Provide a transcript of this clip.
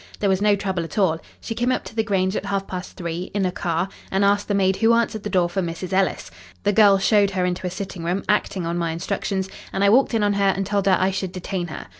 There was no trouble at all. She came up to the Grange at half past three, in a car, and asked the maid who answered the door for Mrs. Ellis. The girl showed her into a sitting room, acting on my instructions, and I walked in on her and told her I should detain her.